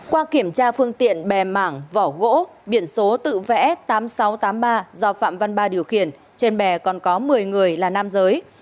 qua kiểm tra phương tiện bè mảng vỏ gỗ biển số tự vẽ tám nghìn sáu trăm tám mươi ba do phạm văn ba điều khiển trên bè còn có một mươi người là nam giới